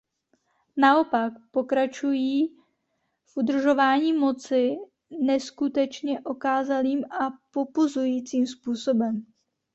Naopak, pokračují v udržování moci neskutečně okázalým a popuzujícím způsobem.